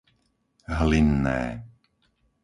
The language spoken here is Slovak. Hlinné